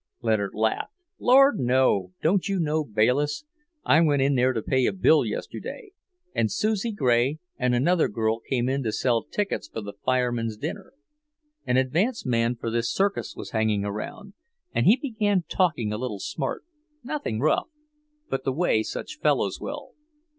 Leonard laughed. "Lord, no! Don't you know Bayliss? I went in there to pay a bill yesterday, and Susie Gray and another girl came in to sell tickets for the firemen's dinner. An advance man for this circus was hanging around, and he began talking a little smart, nothing rough, but the way such fellows will.